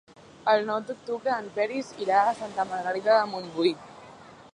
El nou d'octubre en Peris irà a Santa Margarida de Montbui.